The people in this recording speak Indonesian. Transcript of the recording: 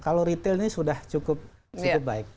kalau retail ini sudah cukup baik